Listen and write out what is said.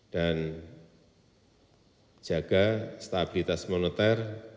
dan jaga stabilitas moneter